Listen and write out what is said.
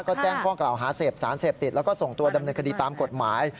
ก็แจ้งข้อกล่าวหาเสพสารเสพติดแล้วก็ส่งตัวดำเนินคดีตามกฎหมาย